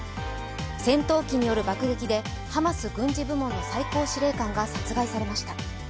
戦闘機による爆撃でハマス軍事部門の最高司令官が殺害されました。